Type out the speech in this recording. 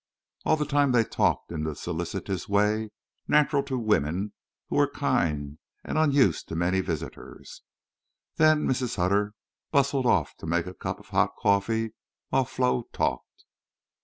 And all the time they talked in the solicitous way natural to women who were kind and unused to many visitors. Then Mrs. Hutter bustled off to make a cup of hot coffee while Flo talked.